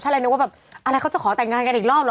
เลยนึกว่าแบบอะไรเขาจะขอแต่งงานกันอีกรอบเหรอ